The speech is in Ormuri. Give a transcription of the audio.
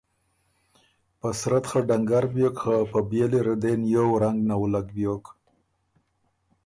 په صورت خه ډنګر بیوک خه په بيېلی ره دې نیوو رنګ نوُلّک بیوک۔